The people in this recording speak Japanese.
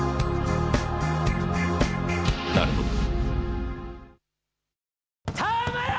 なるほど。